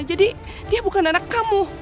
jadi dia bukan anak kamu